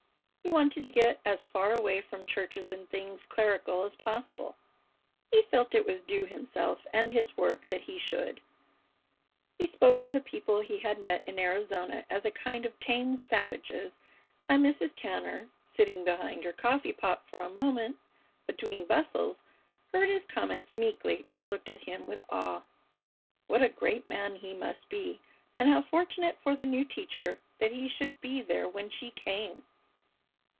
He wanted to get as far away from churches and things clerical as possible. He felt it was due himself and his work that he should. He spoke of the people he had met in Arizona as a kind of tamed savages, and Mrs. Tanner, sitting behind her coffee pot for a moment between bustles, heard his comments meekly and looked at him with awe. What a great man he must be, and how fortunate for the new teacher that he should be there when she came!